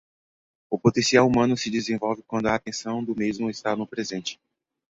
O potencial humano se desenvolve quando a atenção do mesmo está no presente